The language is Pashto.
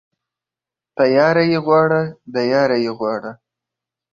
تياره يې غواړه ، د ياره يې غواړه.